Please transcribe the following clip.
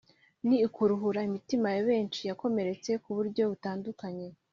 ni ukuruhura imitima ya benshi, yakomeretse kuburyo butandukanye